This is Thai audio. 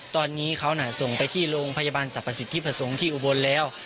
ตอนนี้เขาส่งไปที่โรงพยาบาลสรรพสิทธิประสงค์ที่อุบลแล้ว